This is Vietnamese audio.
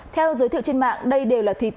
theo giới thiệu trên mạng đây đều là thịt